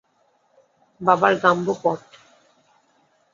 বাবার গাম্বো পট।